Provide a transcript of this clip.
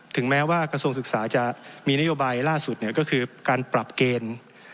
แม้ว่ากระทรวงศึกษาจะมีนโยบายล่าสุดก็คือการปรับเกณฑ์